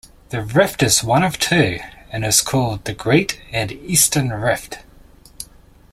This rift is one of two, and is called the Great or Eastern Rift.